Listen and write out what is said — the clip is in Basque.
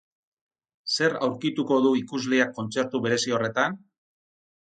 Zer aurkituko du ikusleak kontzertu berezi horretan?